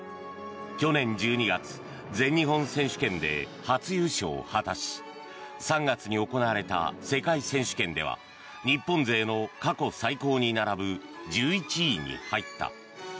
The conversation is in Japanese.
去年１２月、全日本選手権で初優勝を果たし３月に行われた世界選手権では日本勢の過去最高に並ぶ１１位に入った。